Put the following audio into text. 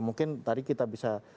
mungkin tadi kita bisa